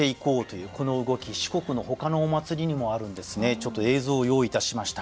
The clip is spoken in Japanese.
ちょっと映像を用意いたしました。